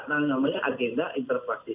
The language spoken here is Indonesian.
namanya agenda interpelasi